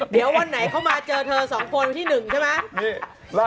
เดี้ยววันไหนเขามาเจอเธอสองคนที่หนึ่งใช่ไหม